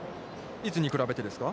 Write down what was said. いつに比べてですか。